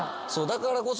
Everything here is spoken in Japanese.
だからこそ。